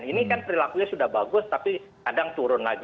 ini kan perilakunya sudah bagus tapi kadang turun lagi